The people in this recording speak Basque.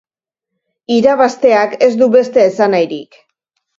Irabazteak ez du beste esanahirik.